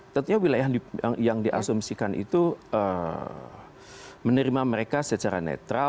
tentunya wilayah yang diasumsikan itu menerima mereka secara netral